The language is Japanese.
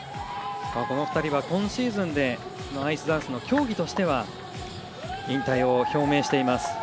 この２人は今シーズンでアイスダンス、競技としては引退を表明しています。